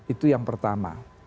itu yang pertama